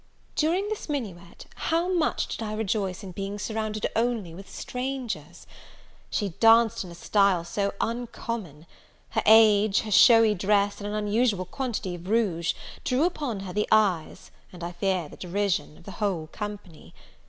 During this minuet, how much did I rejoice in being surrounded only with strangers! She danced in a style so uncommon; her age, her showy dress, and an unusual quantity of rouge, drew upon her the eyes, and I fear the derision, of the whole company.